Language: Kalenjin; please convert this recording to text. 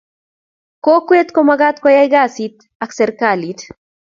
Kokwet komakat koyay kasit ak serikalit.